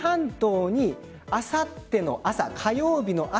あさっての朝火曜日の朝